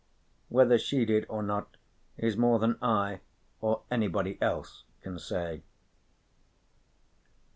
Whether she did or not is more than I or anybody else can say.